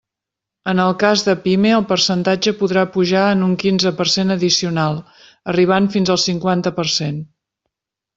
En el cas de pime, el percentatge podrà pujar en un quinze per cent addicional, arribant fins al cinquanta per cent.